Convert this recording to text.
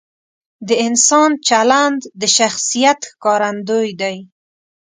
د انسان چلند د شخصیت ښکارندوی دی.